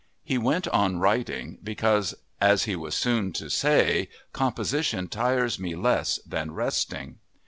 He went on writing because, as he was soon to say, "composition tires me less than resting."